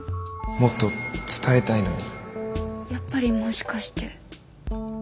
もっと伝えたいのに。